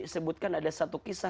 kan disebutkan ada satu kisah